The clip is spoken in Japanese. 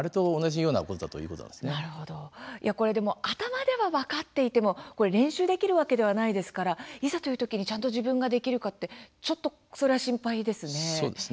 いやこれでも頭では分かっていてもこれ練習できるわけではないですからいざという時にちゃんと自分ができるかってちょっとそれは心配ですね。